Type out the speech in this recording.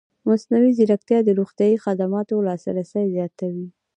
مصنوعي ځیرکتیا د روغتیايي خدماتو لاسرسی زیاتوي.